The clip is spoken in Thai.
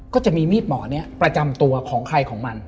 ก็จะมีมีดหมอนี้ประจำตัวของใครของมัน